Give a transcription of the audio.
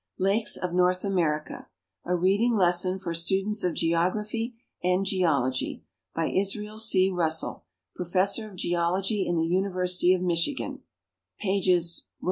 Lakes of North America: A Ilea<ling Lesson for Students of Geography and Geology. By Israel C. Russell, Professor of Geology in the Universit}' ofMichigan. Pp.